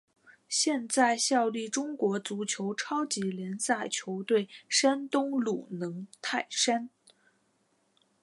现在效力中国足球超级联赛球队山东鲁能泰山。